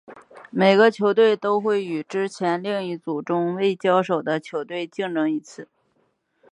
每个球队都会与之前另一小组中未交手的球队竞争一次。